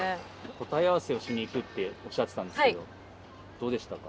「答えあわせをしにいく」っておっしゃってたんですけどどうでしたか？